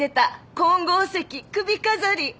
「金剛石首飾り」